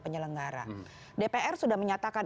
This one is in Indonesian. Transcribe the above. penyelenggara dpr sudah menyatakan